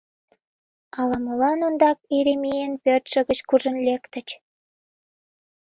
Ала-молан ондак Еремейын пӧртшӧ гыч куржын лектыч.